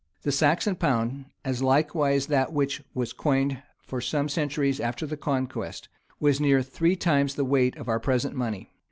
[] The Saxon pound, as likewise that which was coined for some centuries after the conquest, was near three times the weight of our present money.